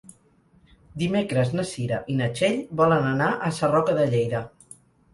Dimecres na Cira i na Txell volen anar a Sarroca de Lleida.